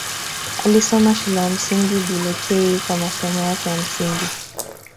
Alisoma Shule ya Msingi Bulekei kwa masomo yake ya msingi.